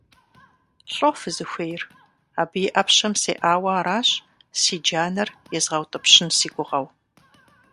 ЛӀо фызыхуейр? Абы и Ӏэпщэм сеӀауэ аращ, си джанэр езгъэутӀыпщын си гугъэу.